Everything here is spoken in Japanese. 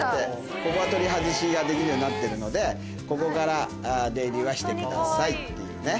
ここは取り外しができるようになってるのでここから出入りはしてくださいっていうね。